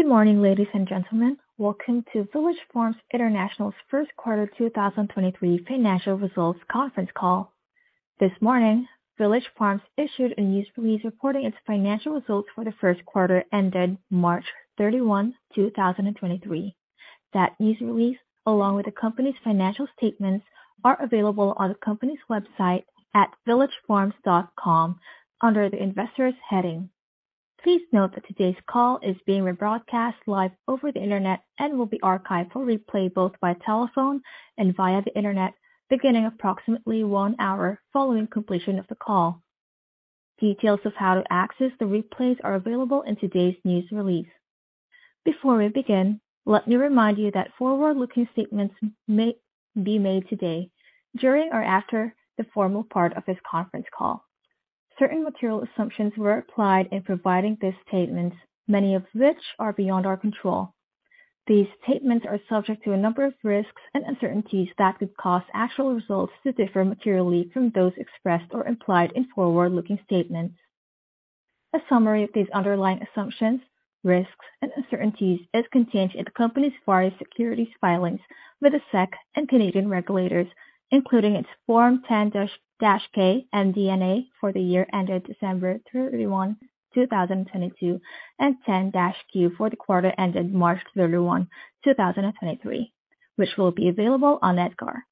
Good morning, ladies and gentlemen. Welcome to Village Farms International's First Quarter 2023 Financial Results Conference call. This morning, Village Farms issued a news release reporting its financial results for the first quarter ended March 31, 2023. That news release, along with the company's financial statements, are available on the company's website at villagefarms.com under the Investors heading. Please note that today's call is being rebroadcast live over the Internet and will be archived for replay both by telephone and via the Internet, beginning approximately one hour following completion of the call. Details of how to access the replays are available in today's news release. Before we begin, let me remind you that forward-looking statements may be made today during or after the formal part of this conference call. Certain material assumptions were applied in providing these statements, many of which are beyond our control. These statements are subject to a number of risks and uncertainties that could cause actual results to differ materially from those expressed or implied in forward-looking statements. A summary of these underlying assumptions, risks and uncertainties is contained in the company's filed securities filings with the SEC and Canadian regulators, including its Form 10-K and MD&A for the year ended December 31, 2022, and 10-Q for the quarter ended March 31, 2023, which will be available on Edgar.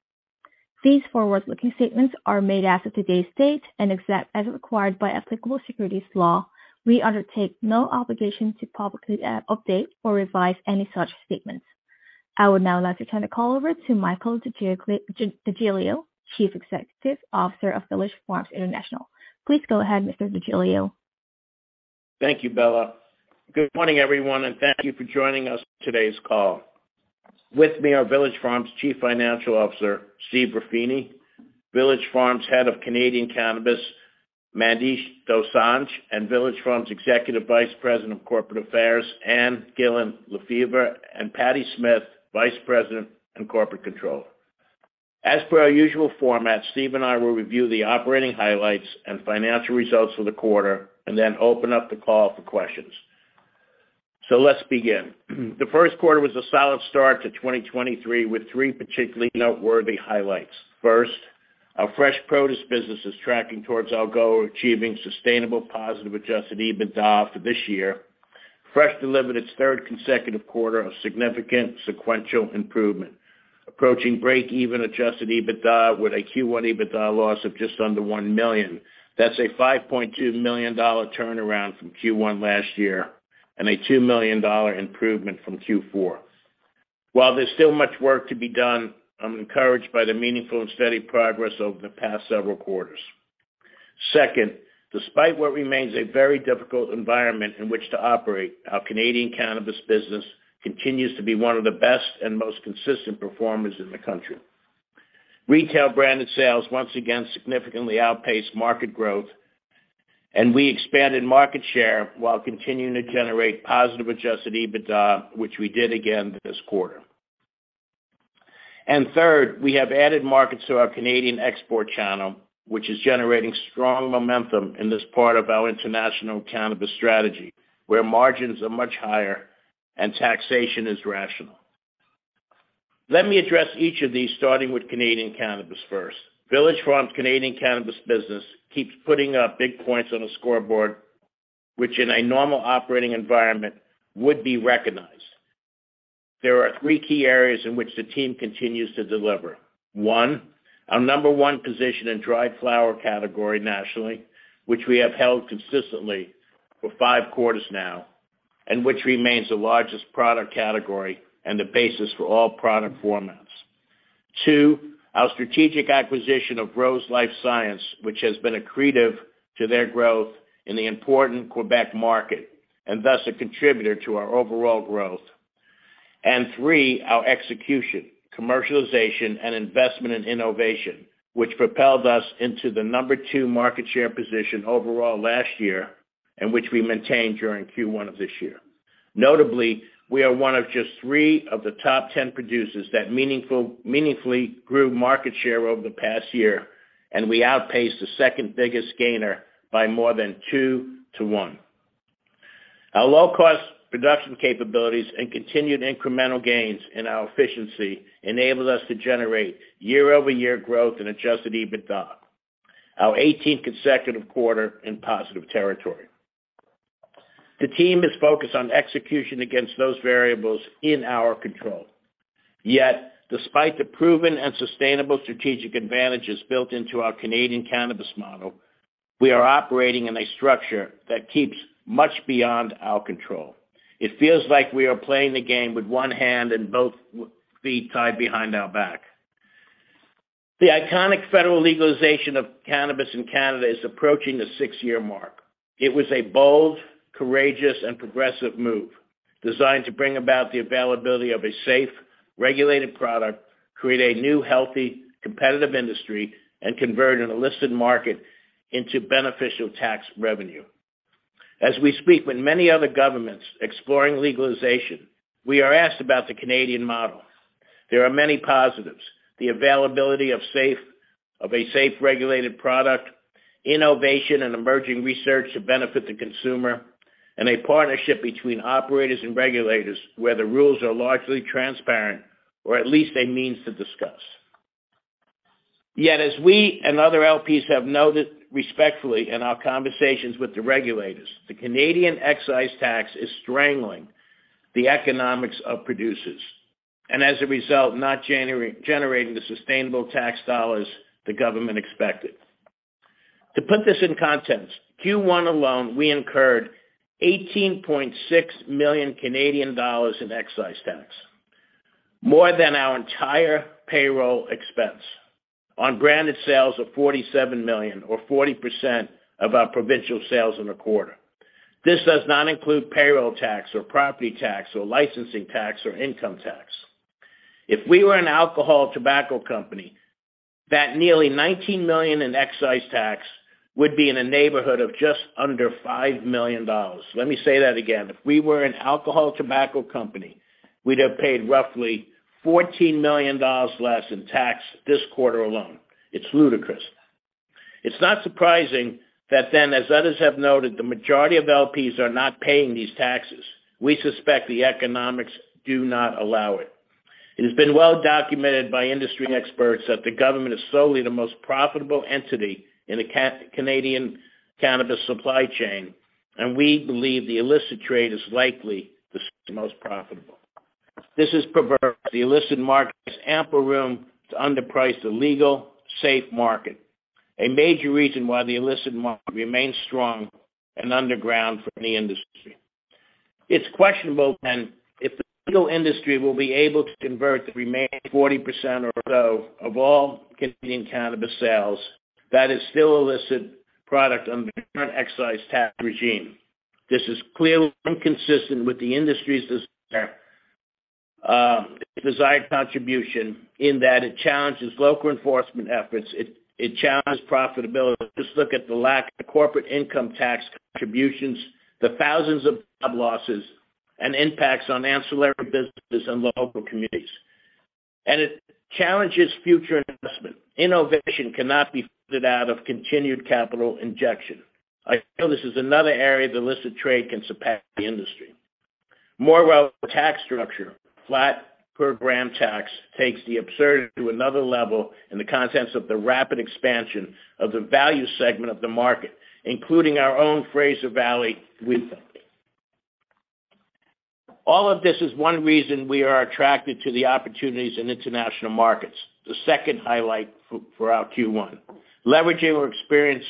These forward-looking statements are made as of today's date and except as required by applicable securities law, we undertake no obligation to publicly update or revise any such statements. I would now like to turn the call over to Michael DeGiglio, Chief Executive Officer of Village Farms International. Please go ahead, Mr. DeGiglio. Thank you, Bella. Good morning, everyone, and thank you for joining us for today's call. With me are Village Farms Chief Financial Officer, Steve Ruffini, Village Farms Head of Canadian Cannabis, Mandesh Dosanjh, and Village Farms Executive Vice President of Corporate Affairs, Ann Gillin Lefever, and Patti Smith, Vice President and Corporate Controller. As per our usual format, Steve and I will review the operating highlights and financial results for the quarter and then open up the call for questions. Let's begin. The first quarter was a solid start to 2023, with three particularly noteworthy highlights. First, our fresh produce business is tracking towards our goal of achieving sustainable positive adjusted EBITDA for this year. Fresh delivered its third consecutive quarter of significant sequential improvement, approaching break-even adjusted EBITDA with a Q1 EBITDA loss of just under $1 million. That's a $5.2 million turnaround from Q1 last year and a $2 million improvement from Q4. While there's still much work to be done, I'm encouraged by the meaningful and steady progress over the past several quarters. Second, despite what remains a very difficult environment in which to operate, our Canadian cannabis business continues to be one of the best and most consistent performers in the country. Retail branded sales once again significantly outpaced market growth and we expanded market share while continuing to generate positive adjusted EBITDA, which we did again this quarter. Third, we have added markets to our Canadian export channel, which is generating strong momentum in this part of our international cannabis strategy, where margins are much higher and taxation is rational. Let me address each of these starting with Canadian cannabis first. Village Farms' Canadian cannabis business keeps putting up big points on the scoreboard, which in a normal operating environment would be recognized. There are three key areas in which the team continues to deliver. 1. our number one position in dried flower category nationally, which we have held consistently for five quarters now and which remains the largest product category and the basis for all product formats. 2. our strategic acquisition of Rose LifeScience, which has been accretive to their growth in the important Quebec market and thus a contributor to our overall growth. 3. our execution, commercialization and investment in innovation, which propelled us into the number two market share position overall last year and which we maintained during Q1 of this year. Notably, we are one of just 3 of the top 10 producers that meaningfully grew market share over the past year. We outpaced the second biggest gainer by more than 2 to 1. Our low-cost production capabilities and continued incremental gains in our efficiency enabled us to generate year-over-year growth in adjusted EBITDA, our 18th consecutive quarter in positive territory. The team is focused on execution against those variables in our control. Despite the proven and sustainable strategic advantages built into our Canadian cannabis model, we are operating in a structure that keeps much beyond our control. It feels like we are playing the game with one hand and both feet tied behind our back. The iconic federal legalization of cannabis in Canada is approaching the 6-year mark. It was a bold, courageous and progressive move designed to bring about the availability of a safe, regulated product, create a new, healthy, competitive industry and convert an illicit market into beneficial tax revenue. As we speak with many other governments exploring legalization, we are asked about the Canadian model. There are many positives. The availability of a safe, regulated product, innovation and emerging research to benefit the consumer, and a partnership between operators and regulators where the rules are largely transparent, or at least a means to discuss. As we and other LPs have noted respectfully in our conversations with the regulators, the Canadian excise tax is strangling the economics of producers and as a result, not generating the sustainable tax dollars the government expected. To put this in context, Q1 alone, we incurred 18.6 million Canadian dollars in excise tax, more than our entire payroll expense on branded sales of $47 million or 40% of our provincial sales in the quarter. This does not include payroll tax or property tax or licensing tax or income tax. If we were an alcohol tobacco company, that nearly $19 million in excise tax would be in a neighborhood of just under $5 million. Let me say that again. If we were an alcohol tobacco company, we'd have paid roughly $14 million less in tax this quarter alone. It's ludicrous. It's not surprising that, as others have noted, the majority of LPs are not paying these taxes. We suspect the economics do not allow it. It has been well documented by industry experts that the government is solely the most profitable entity in the Canadian cannabis supply chain and we believe the illicit trade is likely the most profitable. This is perverse. The illicit market has ample room to underprice the legal safe market, a major reason why the illicit market remains strong and underground for the industry. It's questionable then if the legal industry will be able to convert the remaining 40% or so of all Canadian cannabis sales that is still illicit product under the current excise tax regime. This is clearly inconsistent with the industry's desire, desired contribution in that it challenges local enforcement efforts, it challenges profitability. Just look at the lack of corporate income tax contributions, the thousands of job losses and impacts on ancillary businesses and local communities. It challenges future investment. Innovation cannot be funded out of continued capital injection. I feel this is another area the illicit trade can surpass the industry. Moreover, the tax structure, flat per gram tax takes the absurdity to another level in the context of the rapid expansion of the value segment of the market, including our own Fraser Valley. All of this is one reason we are attracted to the opportunities in international markets, the second highlight for our Q1. Leveraging our experience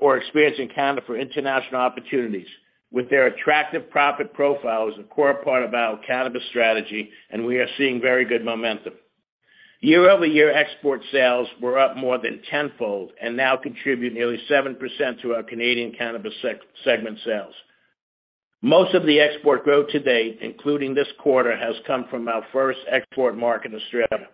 or experience in Canada for international opportunities with their attractive profit profile is a core part of our cannabis strategy and we are seeing very good momentum. Year-over-year export sales were up more than tenfold and now contribute nearly 7% to our Canadian cannabis segment sales. Most of the export growth to date, including this quarter, has come from our first export market, Australia.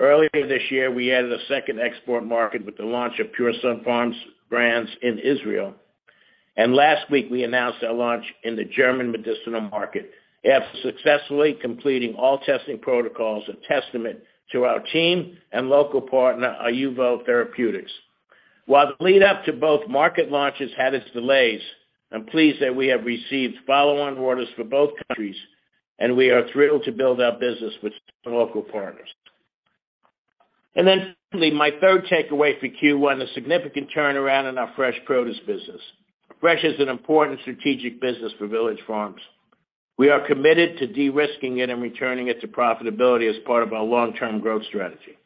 Earlier this year we added a second export market with the launch of Pure Sunfarms brands in Israel. Last week we announced our launch in the German medicinal market after successfully completing all testing protocols, a testament to our team and local partner, IUVO Therapeutics. While the lead up to both market launches had its delays, I'm pleased that we have received follow-on orders for both countries and we are thrilled to build our business with local partners. Finally, my third takeaway for Q1, a significant turnaround in our fresh produce business. Fresh is an important strategic business for Village Farms. We are committed to de-risking it and returning it to profitability as part of our long-term growth strategy.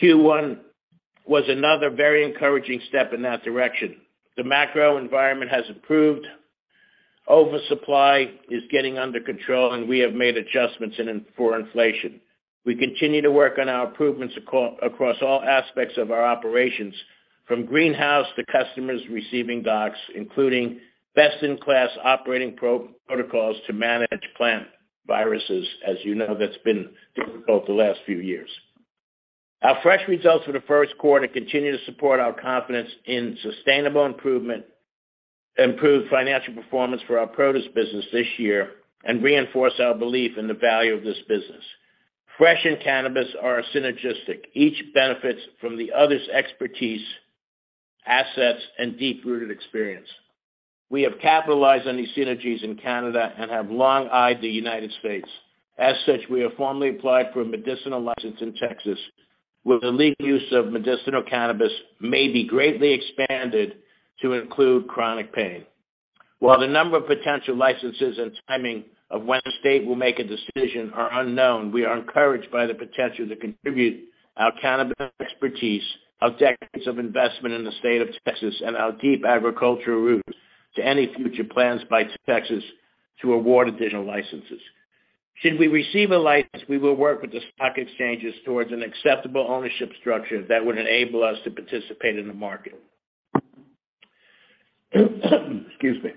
Q1 was another very encouraging step in that direction. The macro environment has improved. Oversupply is getting under control and we have made adjustments and then for inflation. We continue to work on our improvements across all aspects of our operations from greenhouse to customers receiving docks, including best-in-class operating protocols to manage plant viruses. As you know, that's been difficult the last few years. Our fresh results for the first quarter continue to support our confidence in sustainable improvement, improved financial performance for our produce business this year and reinforce our belief in the value of this business. Fresh and cannabis are synergistic. Each benefits from the other's expertise, assets, and deep-rooted experience. We have capitalized on these synergies in Canada and have long eyed the United States. As such, we have formally applied for a medicinal license in Texas where the lead use of medicinal cannabis may be greatly expanded to include chronic pain. While the number of potential licenses and timing of when the state will make a decision are unknown, we are encouraged by the potential to contribute our cannabis expertise, our decades of investment in the state of Texas and our deep agricultural roots to any future plans by Texas to award additional licenses. Should we receive a license, we will work with the stock exchanges towards an acceptable ownership structure that would enable us to participate in the market. Excuse me.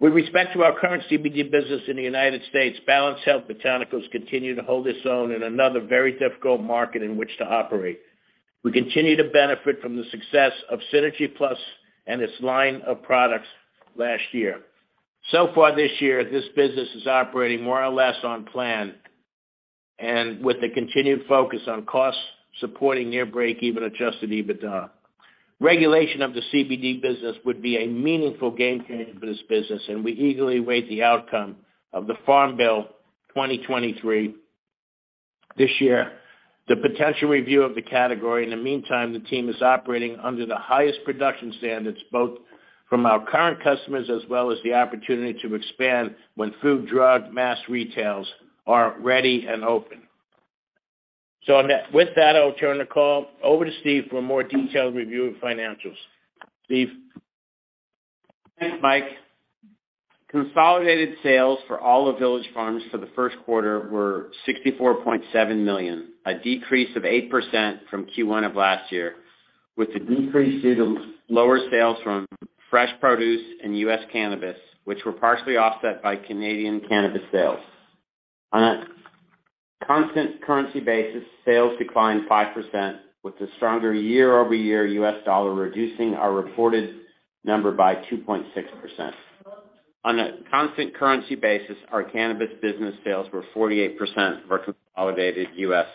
With respect to our current CBD business in the United States, Balanced Health Botanicals continue to hold its own in another very difficult market in which to operate. We continue to benefit from the success of Synergy+ and its line of products last year. Far this year, this business is operating more or less on plan and with a continued focus on costs supporting near breakeven adjusted EBITDA. Regulation of the CBD business would be a meaningful game changer for this business. We eagerly await the outcome of the 2023 Farm Bill this year, the potential review of the category. In the meantime, the team is operating under the highest production standards, both from our current customers as well as the opportunity to expand when food, drug, mass retails are ready and open. On that-- with that, I'll turn the call over to Steve for a more detailed review of financials. Steve? Thanks, Mike. Consolidated sales for all of Village Farms for the first quarter were $64.7 million, a decrease of 8% from Q1 of last year, with the decrease due to lower sales from fresh produce and U.S. cannabis, which were partially offset by Canadian cannabis sales. On a constant currency basis, sales declined 5% with a stronger year-over-year U.S. dollar, reducing our reported number by 2.6%. On a constant currency basis, our cannabis business sales were 48% of our consolidated U.S.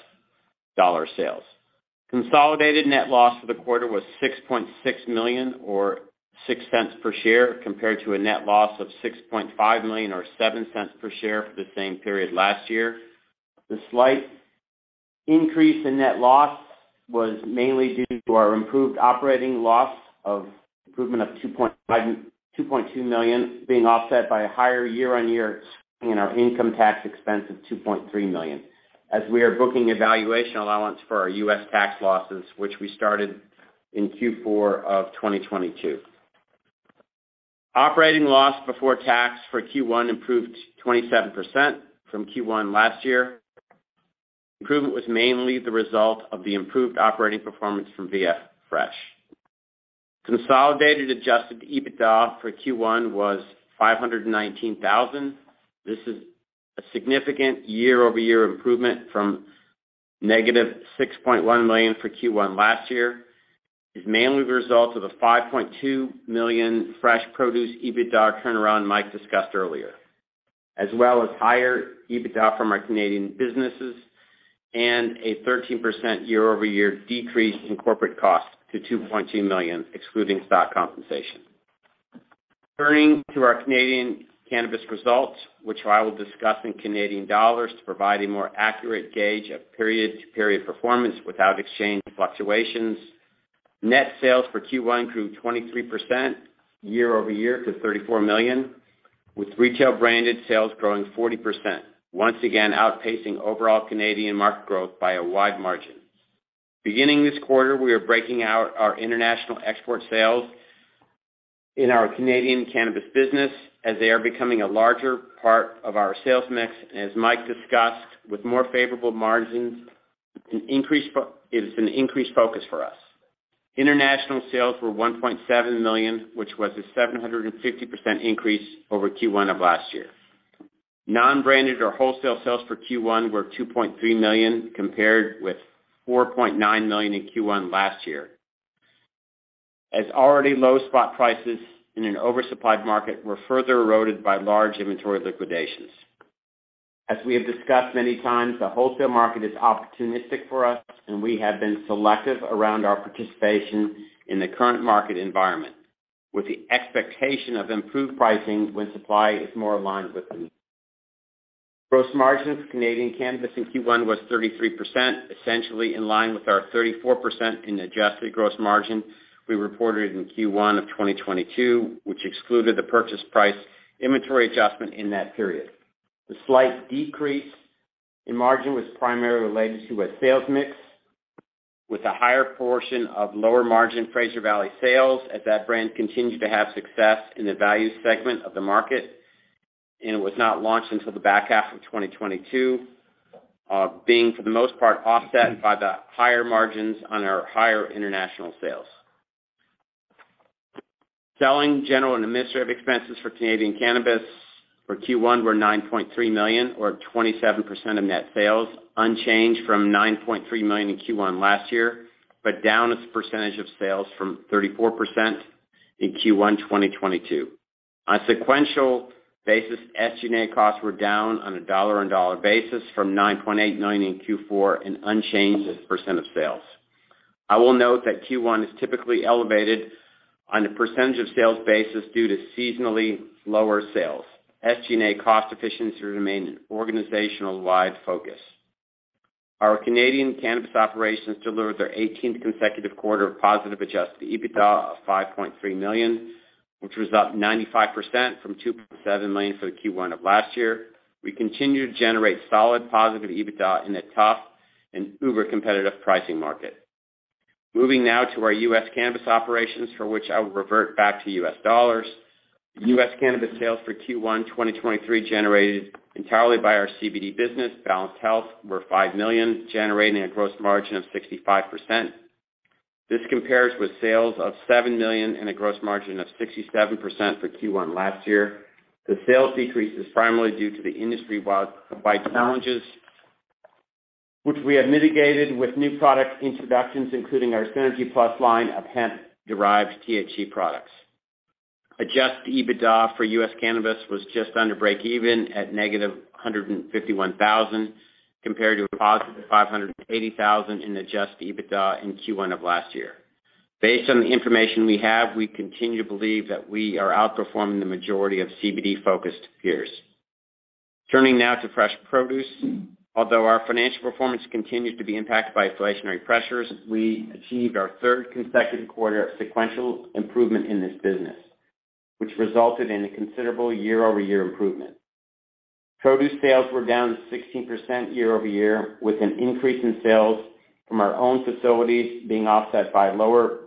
dollar sales. Consolidated net loss for the quarter was $6.6 million or $0.06 per share, compared to a net loss of $6.5 million or $0.07 per share for the same period last year. The slight increase in net loss was mainly due to our improved operating loss of $2.2 million being offset by a higher year-on-year in our income tax expense of $2.3 million as we are booking a valuation allowance for our U.S. tax losses, which we started in Q4 of 2022. Operating loss before tax for Q1 improved 27% from Q1 last year. Improvement was mainly the result of the improved operating performance from VF Fresh. Consolidated adjusted EBITDA for Q1 was $519,000. This is a significant year-over-year improvement from -$6.1 million for Q1 last year, is mainly the result of a $5.2 million fresh produce EBITDA turnaround Mike discussed earlier, as well as higher EBITDA from our Canadian businesses and a 13% year-over-year decrease in corporate costs to $2.2 million, excluding stock compensation. Turning to our Canadian cannabis results, which I will discuss in Canadian dollars to provide a more accurate gauge of period-to-period performance without exchange fluctuations. Net sales for Q1 grew 23% year-over-year to 34 million, with retail branded sales growing 40%, once again outpacing overall Canadian market growth by a wide margin. Beginning this quarter, we are breaking out our international export sales in our Canadian cannabis business as they are becoming a larger part of our sales mix, and as Mike discussed, with more favorable margins, it is an increased focus for us. International sales were $1.7 million, which was a 750% increase over Q1 of last year. Non-branded or wholesale sales for Q1 were $2.3 million, compared with $4.9 million in Q1 last year, as already low spot prices in an oversupplied market were further eroded by large inventory liquidations. As we have discussed many times, the wholesale market is opportunistic for us, and we have been selective around our participation in the current market environment with the expectation of improved pricing when supply is more aligned with the. Gross margins for Canadian cannabis in Q1 was 33%, essentially in line with our 34% in adjusted gross margin we reported in Q1 of 2022, which excluded the purchase price inventory adjustment in that period. The slight decrease in margin was primarily related to a sales mix with a higher portion of lower margin Fraser Valley sales, as that brand continued to have success in the value segment of the market and was not launched until the back half of 2022, being for the most part, offset by the higher margins on our higher international sales. Selling, general, and administrative expenses for Canadian cannabis for Q1 were $9.3 million or 27% of net sales, unchanged from $9.3 million in Q1 last year, but down as a percentage of sales from 34% in Q1 2022. On a sequential basis, SG&A costs were down on a dollar-on-dollar basis from $9.89 in Q4 and unchanged as a percent of sales. I will note that Q1 is typically elevated on a percentage of sales basis due to seasonally lower sales. SG&A cost efficiency remains an organizational-wide focus. Our Canadian cannabis operations delivered their 18th consecutive quarter of positive adjusted EBITDA of $5.3 million, which was up 95% from $2.7 million for the Q1 of last year. Moving now to our U.S. cannabis operations, for which I will revert back to U.S. dollars. U.S. cannabis sales for Q1 2023, generated entirely by our CBD business, Balanced Health, were $5 million, generating a gross margin of 65%. This compares with sales of $7 million and a gross margin of 67% for Q1 last year. The sales decrease is primarily due to the industry-wide supply challenges, which we have mitigated with new product introductions, including our Synergy Plus line of hemp-derived THC products. Adjusted EBITDA for U.S. cannabis was just under break even at negative $151,000, compared to a positive $580,000 in adjusted EBITDA in Q1 of last year. Based on the information we have, we continue to believe that we are outperforming the majority of CBD-focused peers. Turning now to fresh produce. Although our financial performance continued to be impacted by inflationary pressures, we achieved our third consecutive quarter of sequential improvement in this business, which resulted in a considerable year-over-year improvement. Produce sales were down 16% year-over-year, with an increase in sales from our own facilities being offset by lower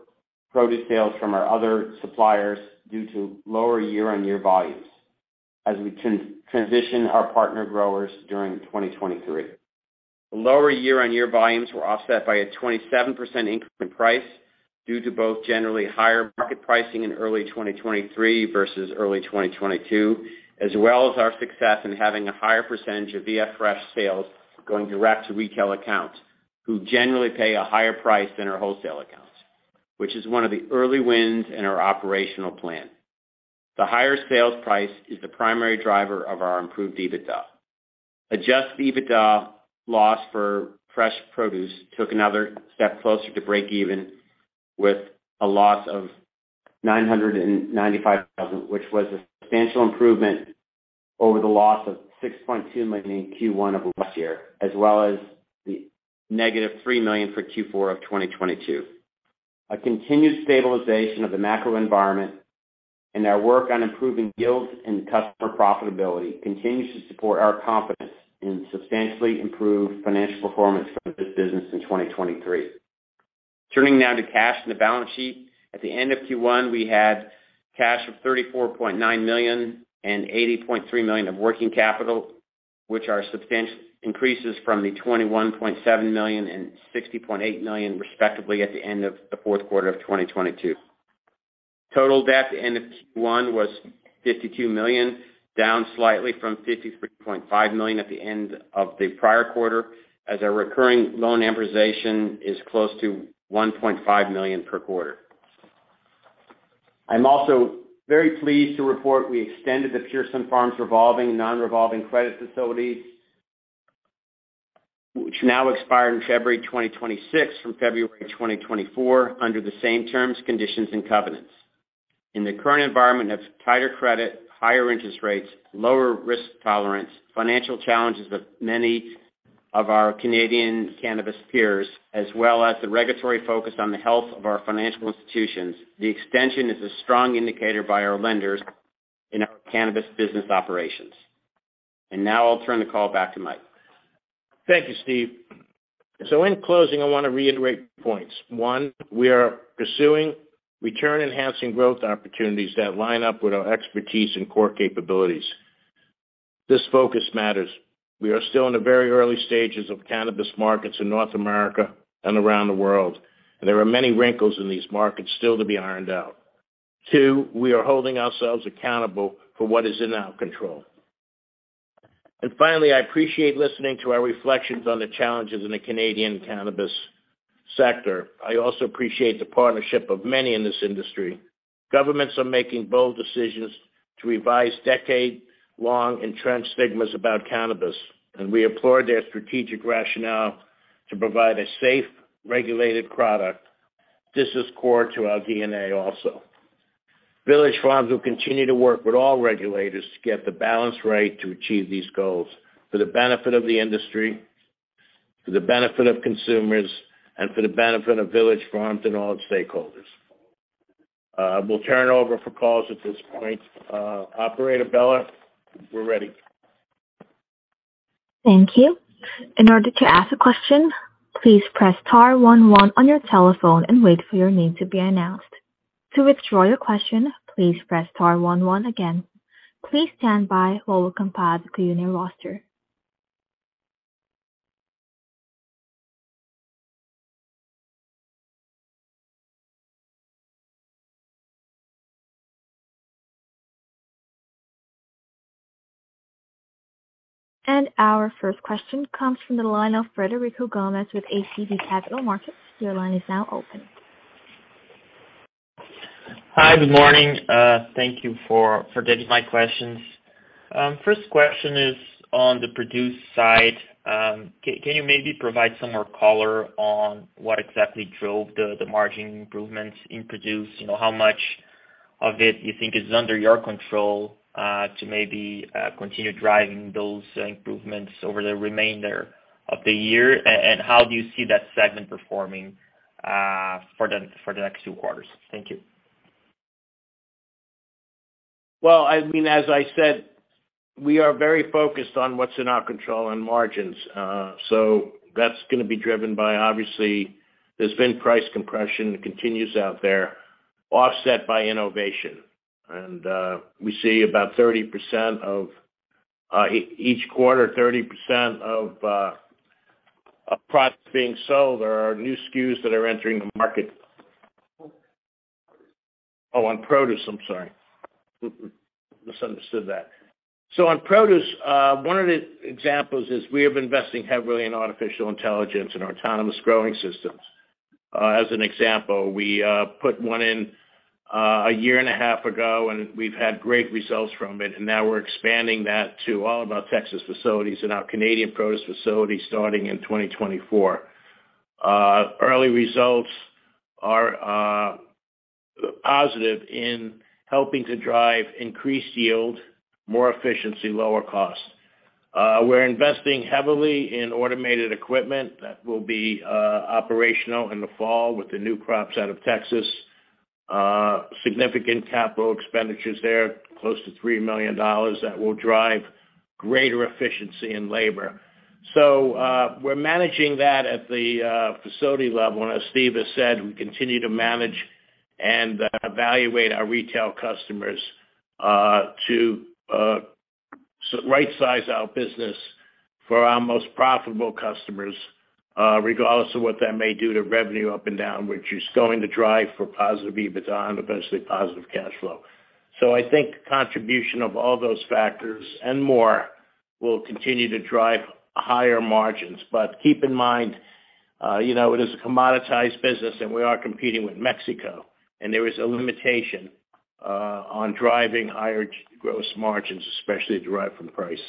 produce sales from our other suppliers due to lower year-on-year volumes as we transition our partner growers during 2023. The lower year-on-year volumes were offset by a 27% increase in price due to both generally higher market pricing in early 2023 versus early 2022, as well as our success in having a higher percentage of VF Fresh sales going direct to retail accounts, who generally pay a higher price than our wholesale accounts, which is one of the early wins in our operational plan. The higher sales price is the primary driver of our improved EBITDA. Adjusted EBITDA loss for fresh produce took another step closer to break even, with a loss of $995,000, which was a substantial improvement over the loss of $6.2 million in Q1 of last year, as well as the negative $3 million for Q4 of 2022. A continued stabilization of the macro environment and our work on improving yields and customer profitability continues to support our confidence in substantially improved financial performance for this business in 2023. Turning now to cash in the balance sheet. At the end of Q1, we had cash of $34.9 million and $80.3 million of working capital, which are substantial increases from the $21.7 million and $60.8 million, respectively, at the end of the fourth quarter of 2022. Total debt at the end of Q1 was $52 million, down slightly from $53.5 million at the end of the prior quarter as our recurring loan amortization is close to $1.5 million per quarter. I'm also very pleased to report we extended the Pure Sunfarms revolving non-revolving credit facilities, which now expire in February 2026 from February 2024 under the same terms, conditions, and covenants. In the current environment of tighter credit, higher interest rates, lower risk tolerance, financial challenges with many of our Canadian cannabis peers, as well as the regulatory focus on the health of our financial institutions, the extension is a strong indicator by our lenders in our cannabis business operations. Now I'll turn the call back to Mike. Thank you, Steve. In closing, I wanna reiterate points. One, we are pursuing return-enhancing growth opportunities that line up with our expertise and core capabilities. This focus matters. We are still in the very early stages of cannabis markets in North America and around the world, and there are many wrinkles in these markets still to be ironed out. Two, we are holding ourselves accountable for what is in our control. Finally, I appreciate listening to our reflections on the challenges in the Canadian cannabis sector. I also appreciate the partnership of many in this industry. Governments are making bold decisions to revise decade-long entrenched stigmas about cannabis, and we applaud their strategic rationale to provide a safe, regulated product. This is core to our MD&A also. Village Farms will continue to work with all regulators to get the balance right to achieve these goals for the benefit of the industry, for the benefit of consumers, and for the benefit of Village Farms and all its stakeholders. We'll turn it over for calls at this point. Operator Bella, we're ready. Thank you. In order to ask a question, please press star 11 on your telephone and wait for your name to be announced. To withdraw your question, please press star 11 again. Please stand by while we compile the call-in roster. Our first question comes from the line of Frederico Gomes with ATB Capital Markets. Your line is now open. Hi. Good morning. Thank you for taking my questions. First question is on the produce side. Can you maybe provide some more color on what exactly drove the margin improvements in produce? You know, how much of it you think is under your control to maybe continue driving those improvements over the remainder of the year? How do you see that segment performing for the next two quarters? Thank you. Well, I mean, as I said, we are very focused on what's in our control and margins. That's gonna be driven by obviously there's been price compression that continues out there, offset by innovation. We see about 30% of each quarter, 30% of products being sold are our new SKUs that are entering the market. Oh, on produce, I'm sorry. Mm-mm. Misunderstood that. On produce, one of the examples is we have been investing heavily in artificial intelligence and autonomous growing systems. As an example, we put one in a year and a half ago, and we've had great results from it, and now we're expanding that to all of our Texas facilities and our Canadian produce facilities starting in 2024. Early results are positive in helping to drive increased yield, more efficiency, lower cost. We're investing heavily in automated equipment that will be operational in the fall with the new crops out of Texas. Significant capital expenditures there, close to $3 million that will drive greater efficiency in labor. We're managing that at the facility level. As Steve has said, we continue to manage and evaluate our retail customers to rightsize our business for our most profitable customers, regardless of what that may do to revenue up and down, which is going to drive for positive EBITDA and eventually positive cash flow. I think contribution of all those factors and more will continue to drive higher margins. Keep in mind, you know, it is a commoditized business, and we are competing with Mexico, and there is a limitation, on driving higher gross margins, especially derived from price.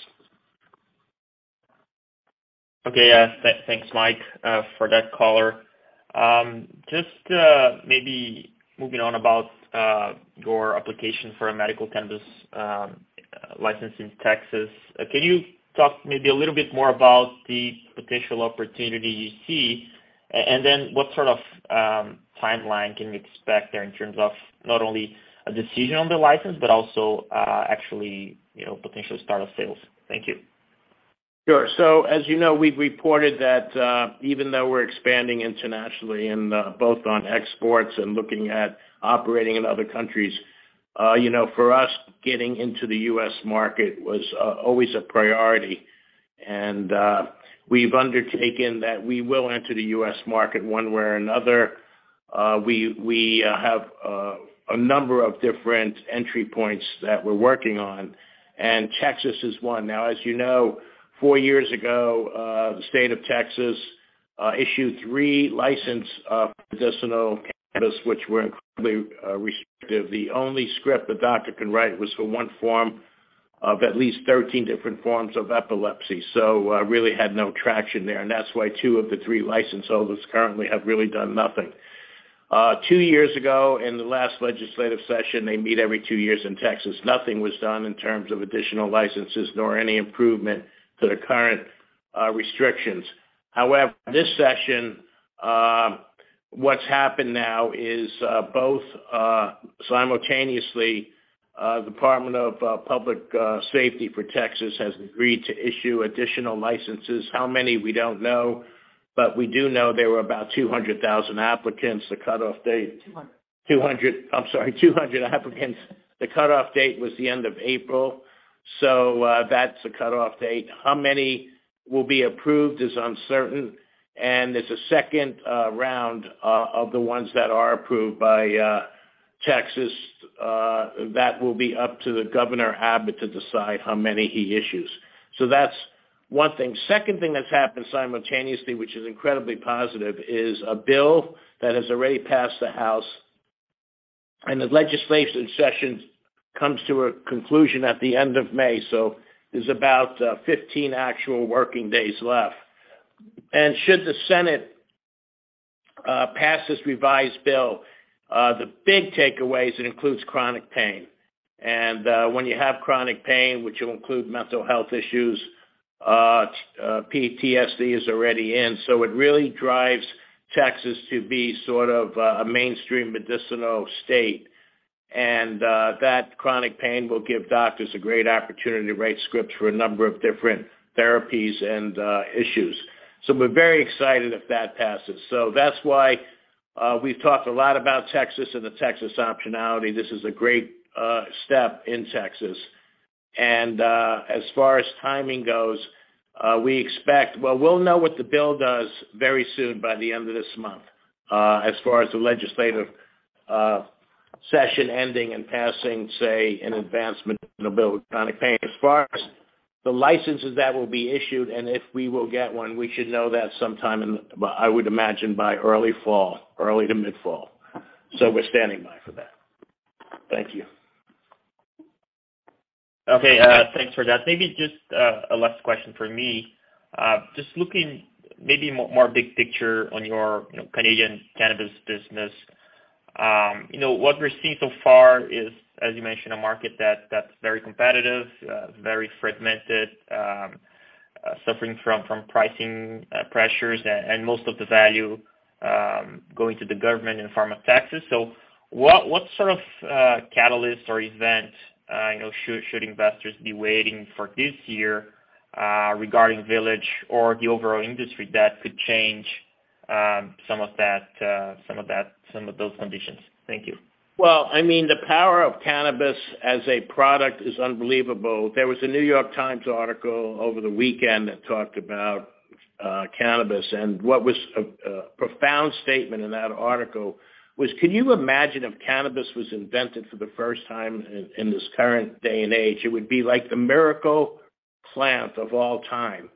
Okay. Thanks, Mike, for that color. Just maybe moving on about your application for a medical cannabis license in Texas. Can you talk maybe a little bit more about the potential opportunity you see? Then what sort of timeline can we expect there in terms of not only a decision on the license but also actually, you know, potential start of sales? Thank you. Sure. As you know, we've reported that even though we're expanding internationally in both on exports and looking at operating in other countries, you know, for us, getting into the U.S. market was always a priority. We've undertaken that we will enter the U.S. market one way or another. We have a number of different entry points that we're working on, and Texas is one. Now, as you know, 4 years ago, the state of Texas issued 3 licensed medicinal cannabis, which were incredibly restrictive. The only script the doctor can write was for 1 form of at least 13 different forms of epilepsy. Really had no traction there, and that's why 2 of the 3 license holders currently have really done nothing. Two years ago in the last legislative session, they meet every 2 years in Texas, nothing was done in terms of additional licenses nor any improvement to the current restrictions. However, this session, what's happened now is both simultaneously, the Department of Public Safety for Texas has agreed to issue additional licenses. How many, we don't know, but we do know there were about 200,000 applicants. The cutoff date- $200. 200. I'm sorry, 200 applicants. The cutoff date was the end of April. That's the cutoff date. How many will be approved is uncertain, and there's a second round of the ones that are approved by Texas that will be up to Governor Abbott to decide how many he issues. That's one thing. Second thing that's happened simultaneously, which is incredibly positive, is a bill that has already passed the House and the legislation session comes to a conclusion at the end of May. There's about 15 actual working days left. Should the Senate pass this revised bill, the big takeaway is it includes chronic pain. When you have chronic pain, which will include mental health issues, PTSD is already in. It really drives Texas to be sort of a mainstream medicinal state. That chronic pain will give doctors a great opportunity to write scripts for a number of different therapies and issues. We're very excited if that passes. That's why we've talked a lot about Texas and the Texas optionality. This is a great step in Texas. As far as timing goes, we'll know what the bill does very soon by the end of this month, as far as the legislative session ending and passing, say, an advancement in the bill with chronic pain. As far as the licenses that will be issued and if we will get one, we should know that sometime in, I would imagine by early fall, early to mid-fall. We're standing by for that. Thank you. Okay. Thanks for that. Maybe just a last question from me. Just looking maybe more big picture on your, you know, Canadian cannabis business. You know, what we're seeing so far is, as you mentioned, a market that's very competitive, very fragmented, suffering from pricing pressures and most of the value going to the government in the form of taxes. What sort of catalyst or event, you know, should investors be waiting for this year regarding Village or the overall industry that could change some of that, some of those conditions? Thank you. Well, I mean, the power of cannabis as a product is unbelievable. There was a New York Times article over the weekend that talked about cannabis. What was a profound statement in that article was, can you imagine if cannabis was invented for the first time in this current day and age? It would be like the miracle plant of all time.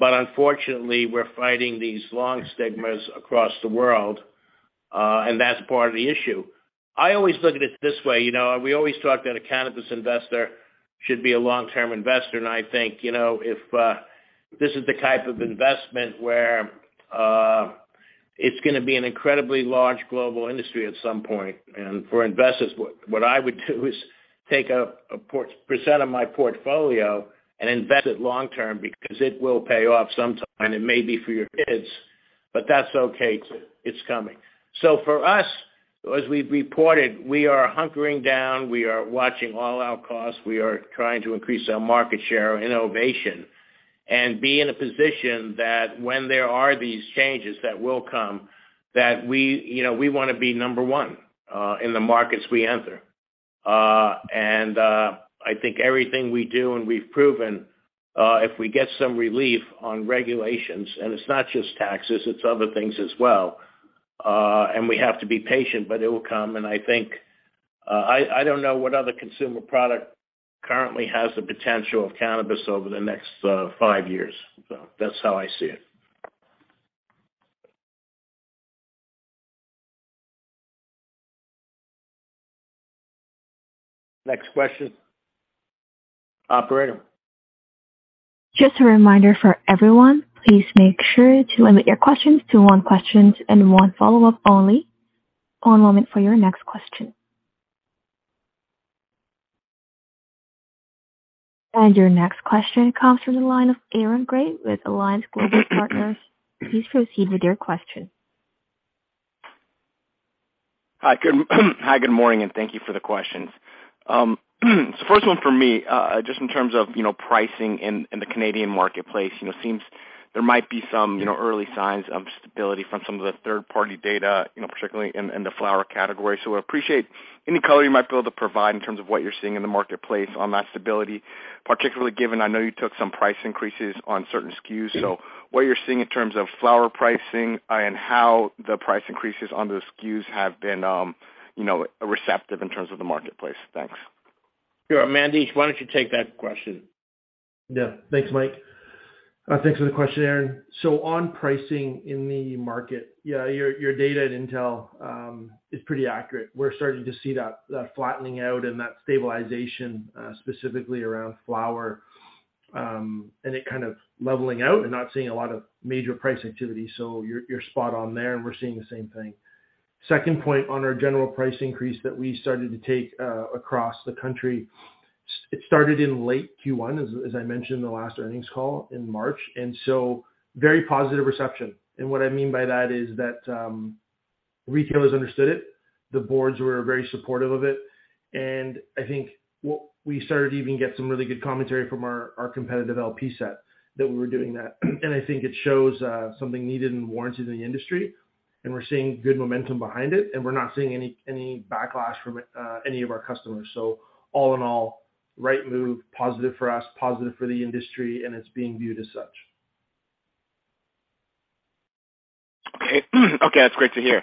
Unfortunately, we're fighting these long stigmas across the world, and that's part of the issue. I always look at it this way, you know, we always talk that a cannabis investor should be a long-term investor. I think, you know, if this is the type of investment where it's gonna be an incredibly large global industry at some point. For investors, what I would do is take a percent of my portfolio and invest it long term because it will pay off sometime. It may be for your kids, but that's okay. It's coming. For us, as we've reported, we are hunkering down. We are watching all our costs. We are trying to increase our market share innovation and be in a position that when there are these changes that will come, that we, you know, we wanna be number 1 in the markets we enter. I think everything we do, and we've proven, if we get some relief on regulations, and it's not just taxes, it's other things as well, and we have to be patient, but it will come. I think, I don't know what other consumer product currently has the potential of cannabis over the next five years. That's how I see it. Next question. Operator? Just a reminder for everyone, please make sure to limit your questions to 1 questions and 1 follow-up only. One moment for your next question. Your next question comes from the line of Aaron Grey with Alliance Global Partners. Please proceed with your question. Hi, good morning, and thank you for the questions. First one for me, just in terms of, you know, pricing in the Canadian marketplace. Seems there might be some, you know, early signs of stability from some of the third-party data, you know, particularly in the flower category. I appreciate any color you might be able to provide in terms of what you're seeing in the marketplace on that stability, particularly given I know you took some price increases on certain SKUs. What you're seeing in terms of flower pricing, and how the price increases on the SKUs have been, you know, receptive in terms of the marketplace. Thanks. Sure. Mandesh, why don't you take that question? Yeah. Thanks, Mike. Thanks for the question, Aaron. On pricing in the market, yeah, your data and intel is pretty accurate. We're starting to see that flattening out and that stabilization, specifically around flower, and it kind of leveling out and not seeing a lot of major price activity. You're, you're spot on there, and we're seeing the same thing. Second point on our general price increase that we started to take across the country. It started in late Q1, as I mentioned in the last earnings call in March, very positive reception. What I mean by that is that retailers understood it. The boards were very supportive of it. I think what... We started to even get some really good commentary from our competitive LP set that we were doing that. I think it shows something needed and warranted in the industry, and we're seeing good momentum behind it, and we're not seeing any backlash from any of our customers. All in all, right move, positive for us, positive for the industry, and it's being viewed as such. Okay. Okay, that's great to hear.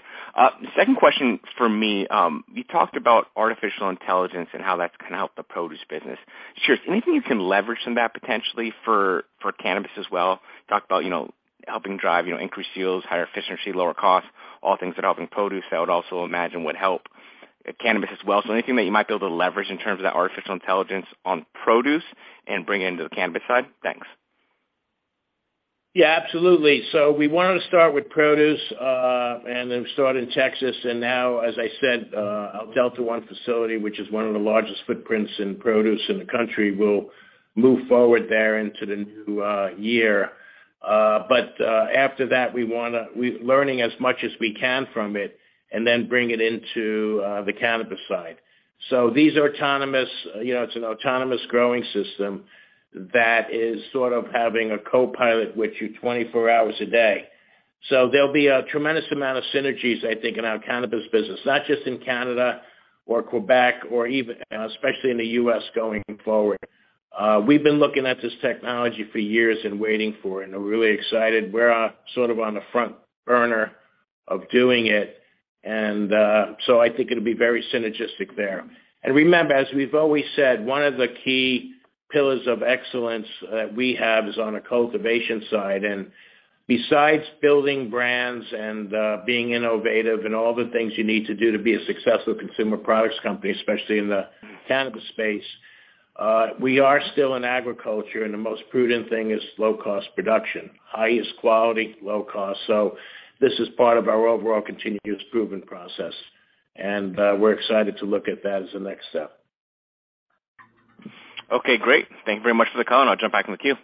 Second question for me. You talked about artificial intelligence and how that's gonna help the produce business. Sure. Anything you can leverage from that potentially for cannabis as well? Talked about, you know, helping drive, you know, increased yields, higher efficiency, lower costs, all things that are helping produce, I would also imagine would help cannabis as well. Anything that you might be able to leverage in terms of that artificial intelligence on produce and bring into the cannabis side? Thanks. Yeah, absolutely. We wanted to start with produce, and then start in Texas. Now, as I said, our Delta One facility, which is one of the largest footprints in produce in the country, will move forward there into the new year. After that, we're learning as much as we can from it and then bring it into the cannabis side. These are autonomous, you know, it's an autonomous growing system that is sort of having a co-pilot with you 24 hours a day. There'll be a tremendous amount of synergies, I think, in our cannabis business, not just in Canada or Quebec or even, especially in the U.S. going forward. We've been looking at this technology for years and waiting for it, and we're really excited. We're sort of on the front burner of doing it. I think it'll be very synergistic there. Remember, as we've always said, one of the key pillars of excellence we have is on a cultivation side. Besides building brands and, being innovative and all the things you need to do to be a successful consumer products company, especially in the cannabis space, we are still in agriculture, and the most prudent thing is low cost production. Highest quality, low cost. This is part of our overall continuous improvement process, and we're excited to look at that as the next step. Okay, great. Thank you very much for the call, and I'll jump back in the queue.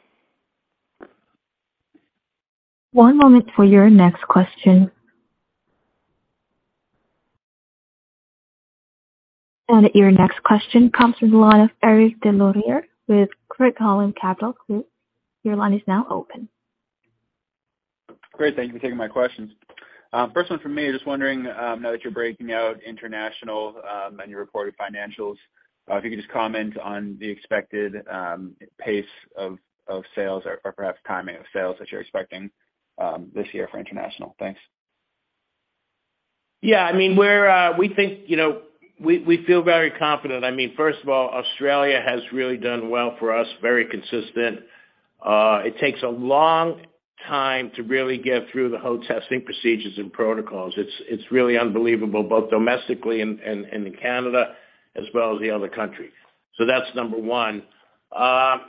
One moment for your next question. Your next question comes from the line of Eric Des Lauriers with Craig-Hallum Capital Group. Your line is now open. Great. Thank you for taking my questions. First one for me, just wondering, now that you're breaking out international, and your reported financials, if you could just comment on the expected pace of sales or perhaps timing of sales that you're expecting this year for international. Thanks. Yeah. I mean, we're, we think, you know, we feel very confident. I mean, first of all, Australia has really done well for us, very consistent. It takes a long time to really get through the whole testing procedures and protocols. It's really unbelievable, both domestically and in Canada as well as the other countries. That's number 1. The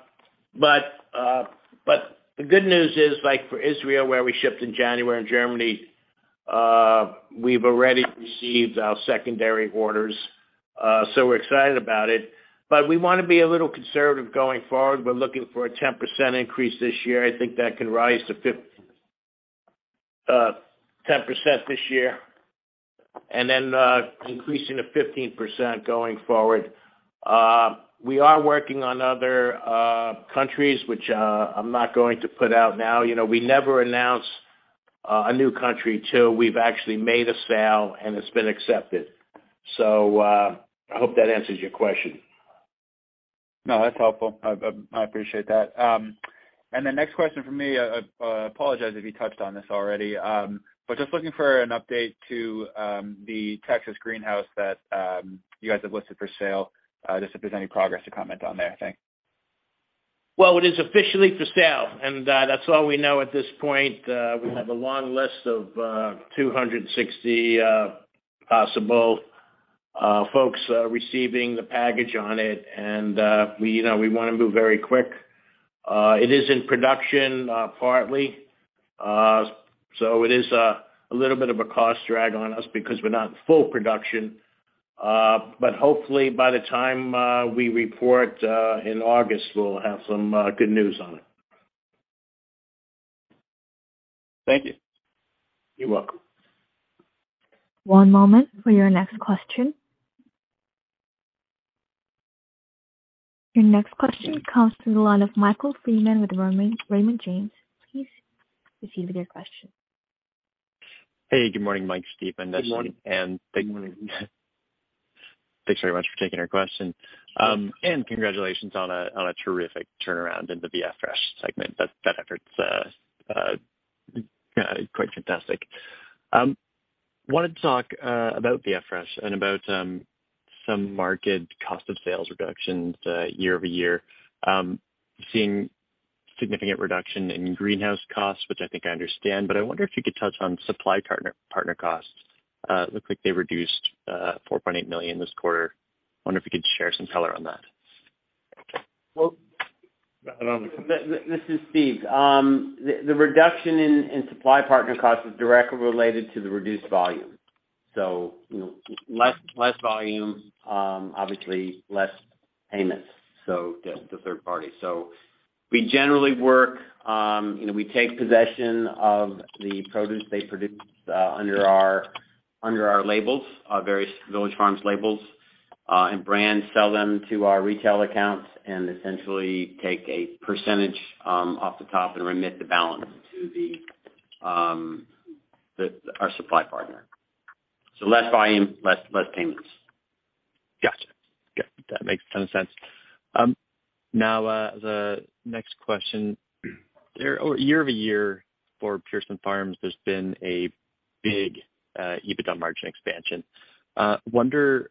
good news is, like for Israel, where we shipped in January, and Germany, we've already received our secondary orders, so we're excited about it. We wanna be a little conservative going forward. We're looking for a 10% increase this year. I think that can rise to 10% this year, and then increasing to 15% going forward. We are working on other countries which I'm not going to put out now. You know, we never announce a new country till we've actually made a sale and it's been accepted. I hope that answers your question. No, that's helpful. I appreciate that. The next question from me, apologize if you touched on this already. Just looking for an update to the Texas greenhouse that you guys have listed for sale. Just if there's any progress to comment on there. Thanks. Well, it is officially for sale, and that's all we know at this point. We have a long list of 260 possible folks receiving the package on it, and we, you know, we wanna move very quick. It is in production, partly. It is a little bit of a cost drag on us because we're not in full production. Hopefully by the time we report in August, we'll have some good news on it. Thank you. You're welcome. One moment for your next question. Your next question comes to the line of Michael Freeman with Raymond James. Please proceed with your question. Hey, good morning, Michael Freeman. Good morning. thank- Good morning. Thanks very much for taking our question. Congratulations on a terrific turnaround in the VF Fresh segment. That effort's quite fantastic. Wanted to talk about VF Fresh and about some market cost of sales reductions year-over-year. Seeing significant reduction in greenhouse costs, which I think I understand, but I wonder if you could touch on supply partner costs. It looked like they reduced $4.8 million this quarter. I wonder if you could share some color on that. Well- I'll take that. This is Steve. The reduction in supply partner costs is directly related to the reduced volume. You know, less volume, obviously less payments, the third party. We generally work, you know, we take possession of the produce they produce, under our, under our labels, various Village Farms labels, and brands sell them to our retail accounts and essentially take a percentage off the top and remit the balance to the, our supply partner. Less volume, less payments. Gotcha. Yeah, that makes ton of sense. Now, the next question. Year-over-year for Pure Sunfarms, there's been a big EBITDA margin expansion. Wondering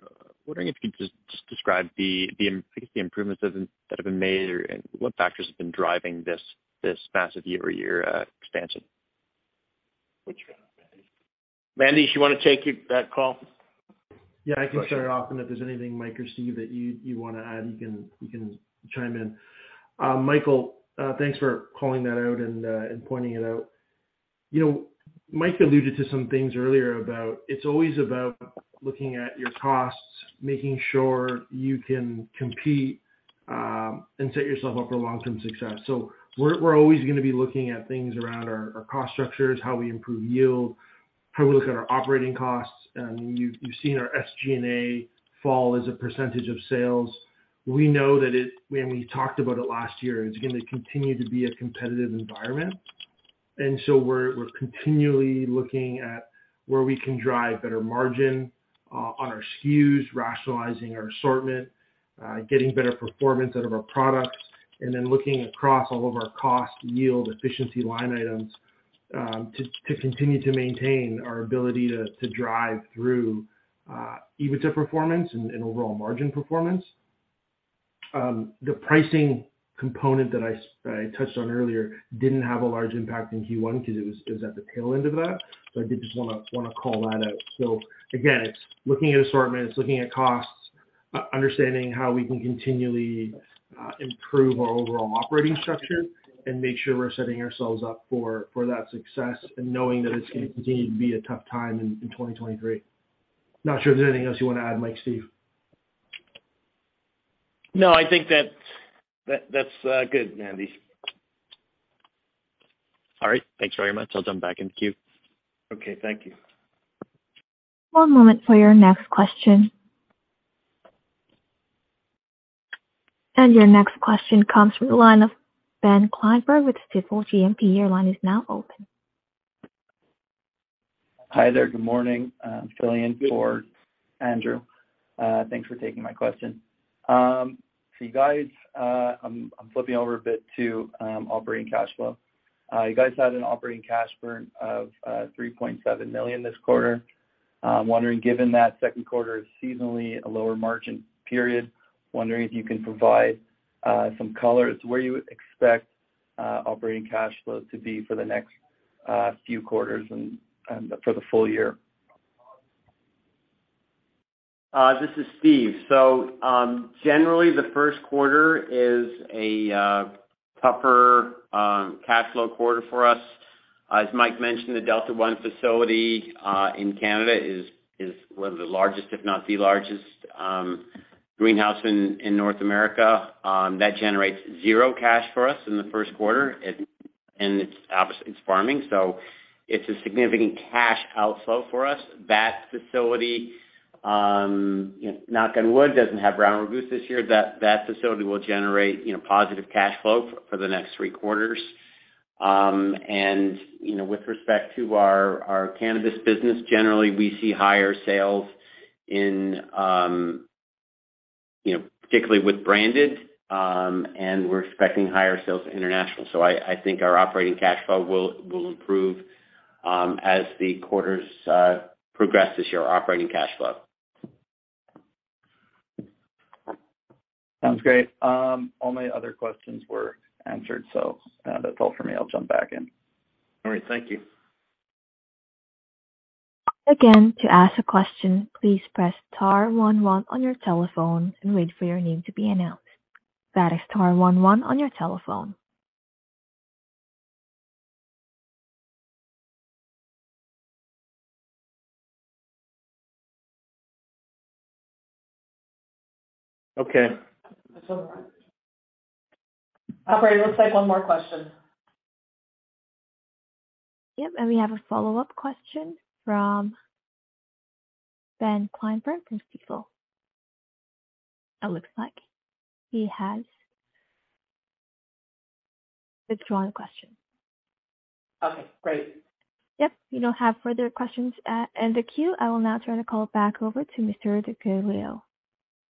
if you could just describe the I guess, the improvements that have been made or, and what factors have been driving this massive year-over-year expansion? Which one? Mandy? Mandy, do you wanna take it, that call? Yeah, I can start it off, and if there's anything, Mike or Steve, that you wanna add, you can chime in. Michael, thanks for calling that out and pointing it out. You know, Mike alluded to some things earlier about it's always about looking at your costs, making sure you can compete, and set yourself up for long-term success. We're always gonna be looking at things around our cost structures, how we improve yield, how we look at our operating costs. You've seen our SG&A fall as a percentage of sales. We know that when we talked about it last year, it's gonna continue to be a competitive environment. We're continually looking at where we can drive better margin on our SKUs, rationalizing our assortment, getting better performance out of our products, and then looking across all of our cost, yield, efficiency line items, to continue to maintain our ability to drive through EBITDA performance and overall margin performance. The pricing component that I touched on earlier didn't have a large impact in Q1 because it was at the tail end of that, so I did just wanna call that out. Again, it's looking at assortments, looking at costs, understanding how we can continually improve our overall operating structure and make sure we're setting ourselves up for that success and knowing that it's gonna continue to be a tough time in 2023. Not sure if there's anything else you want to add, Mike, Steve? No, I think that's good, Mandy. All right. Thanks very much. I'll jump back in the queue. Okay, thank you. One moment for your next question. Your next question comes from the line of Ben Kleinberg with Stifel GMP. Your line is now open. Hi there. Good morning. I'm filling in for Andrew. Thanks for taking my question. You guys, I'm flipping over a bit to operating cash flow. You guys had an operating cash burn of $3.7 million this quarter. I'm wondering, given that second quarter is seasonally a lower margin period, wondering if you can provide some color as to where you expect operating cash flow to be for the next few quarters and for the full year. This is Steve. Generally, the first quarter is a tougher cash flow quarter for us. As Mike mentioned, the Delta One facility in Canada is one of the largest, if not the largest, greenhouse in North America, that generates zero cash for us in the first quarter. It's obvious it's farming, so it's a significant cash outflow for us. That facility, you know, knock on wood, doesn't have brown root this year. That facility will generate, you know, positive cash flow for the next three quarters. You know, with respect to our cannabis business, generally we see higher sales in, you know, particularly with branded, and we're expecting higher sales international. I think our operating cash flow will improve, as the quarters progress this year, operating cash flow. Sounds great. All my other questions were answered. That's all for me. I'll jump back in. All right. Thank you. Again, to ask a question, please press star one one on your telephone and wait for your name to be announced. That is star one one on your telephone. Okay. Operator, we'll take one more question. Yep, we have a follow-up question from Ben Kleinberg from Stifel. It looks like he has withdrawn the question. Okay, great. Yep, we don't have further questions at end of queue. I will now turn the call back over to Mr. DeGiglio.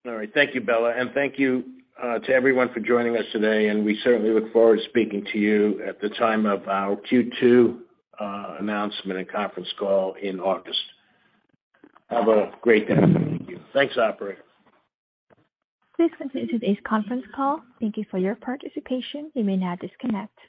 All right. Thank you, Bella. Thank you to everyone for joining us today, and we certainly look forward to speaking to you at the time of our Q2 announcement and conference call in August. Have a great day. Thank you. Thanks, operator. This concludes today's conference call. Thank you for your participation. You may now disconnect.